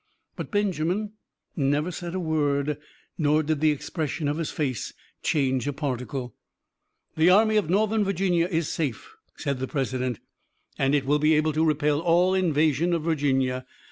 But Benjamin never said a word, nor did the expression of his face change a particle. "The Army of Northern Virginia is safe," said the President, "and it will be able to repel all invasion of Virginia.